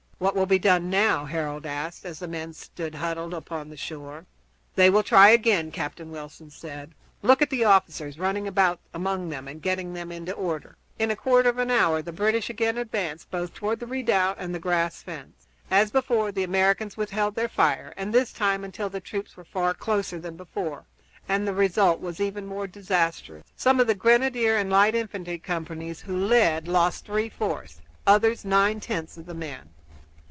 "What will be done now?" Harold asked as the men stood huddled upon the shore. "They will try again," Captain Wilson said. "Look at the officers running about among them and getting them into order." In a quarter of an hour the British again advanced both toward the redoubt and the grass fence. As before the Americans withheld their fire, and this time until the troops were far closer than before, and the result was even more disastrous. Some of the grenadier and light infantry companies who led lost three fourths, others nine tenths of their men.